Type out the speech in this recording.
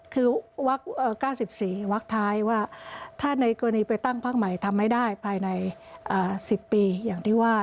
คือ๙๔วักท้ายว่าถ้าในกรณีไปตั้งพักใหม่ทำให้ได้ภายใน๑๐ปีอย่างที่ว่า